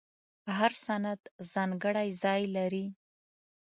هر سند ځانګړی ځای لري.